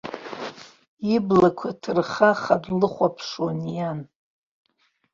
Иблақәа ҭырхаха длыхәаԥшуан иан.